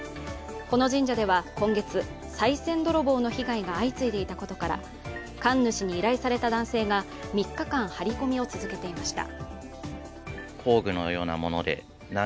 この神社では今月、さい銭泥棒の被害が相次いでいたことから神主に依頼された男性が３日間、張り込みを続けていました。